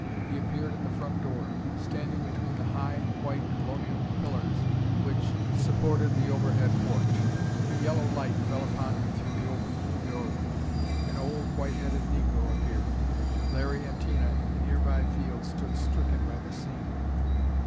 He appeared at the front door, standing between the high white colonial pillars which supported the overhead porch. A yellow light fell upon him through the opened doorway. An old, white headed negro appeared. Larry and Tina, in the nearby field, stood stricken by the scene.